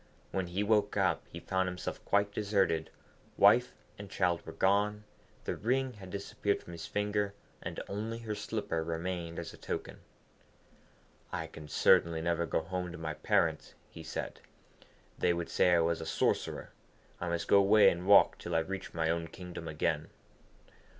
When he woke up, he found himself quite deserted; wife and child were gone, the ring had disappeared from his finger, and only her slipper remained as a token. 'I can certainly never go home to my parents,' he said. 'They would say I was a sorcerer. I must go away and walk till I reach my own kingdom again.'